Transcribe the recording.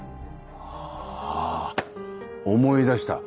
あぁ思い出した。